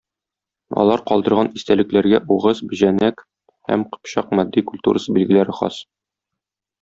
Алар калдырган истәлекләргә угыз, бәҗәнәк һәм кыпчак матди культурасы билгеләре хас.